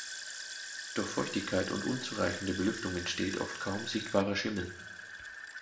Durch Feuchtigkeit und unzureichende Belüftung entsteht oft kaum sichtbarer Schimmel.